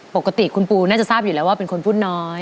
ปกติคุณปูน่าจะทราบอยู่แล้วว่าเป็นคนพูดน้อย